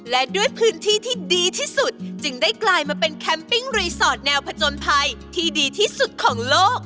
และด้วยพื้นที่ที่ดีที่สุดจึงได้กลายมาเป็นแคมปิ้งรีสอร์ทแนวผจญภัยที่ดีที่สุดของโลก